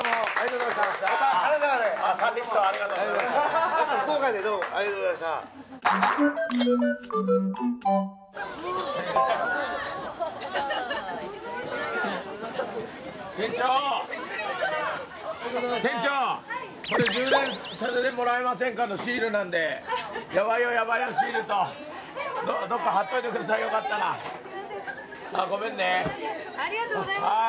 ありがとうございます。